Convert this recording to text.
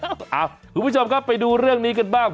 คุณผู้ชมครับไปดูเรื่องนี้กันบ้าง